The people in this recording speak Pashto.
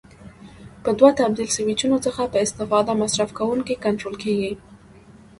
له دوو تبدیل سویچونو څخه په استفاده مصرف کوونکی کنټرول کېږي.